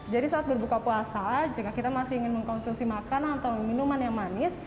jadi saat berbuka puasa jika kita masih ingin mengkonsumsi makanan atau minuman yang manis